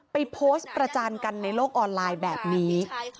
ไปโพสต์ประจานกันในโลกออนไลน์แบบนี้